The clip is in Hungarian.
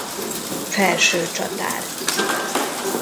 Felső Csatár.